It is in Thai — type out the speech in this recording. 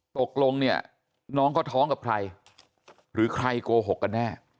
ตกลงเนี่ยน้องเขาท้องกับใครหรือใครโกหกกันแน่